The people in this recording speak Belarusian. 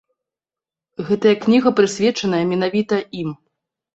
Гэтая кніга прысвечаная менавіта ім.